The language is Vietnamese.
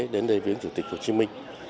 đến đây viếng chủ tịch hồ chí minh